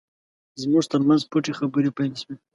زموږ ترمنځ پټې خبرې پیل شوې.